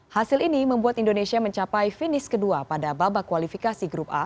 hasil ini membuat indonesia mencapai finish kedua pada babak kualifikasi grup a